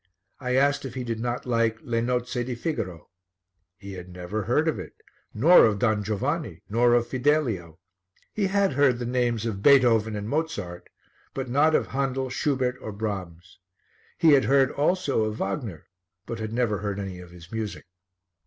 I asked if he did not like Le Nozze di Figaro. He had never heard of it, nor of Don Giovanni, nor of Fidelio. He had heard the names of Beethoven and Mozart, but not of Handel, Schubert or Brahms. He had heard also of Wagner, but had never heard any of his music.